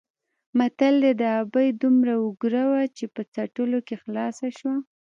متل دی: د ابۍ دومره وګره وه چې په څټلو کې خلاصه شوه.